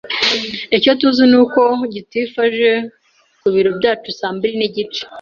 Icyo tuzi ni uko gitifu aje ku biro byacu saa mbiri n'igice.